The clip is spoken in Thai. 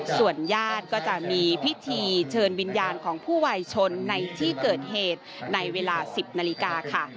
ส่วนญาติก็จะมีพิธีเชิญวิญญาณของผู้วัยชนในที่เกิดเหตุในเวลา๑๐นาฬิกาค่ะ